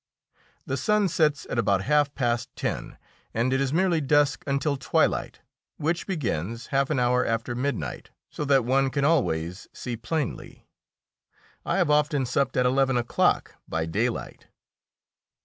The sun sets at about half past ten, and it is merely dusk until twilight, which begins half an hour after midnight, so that one can always see plainly. I have often supped at eleven o'clock by daylight.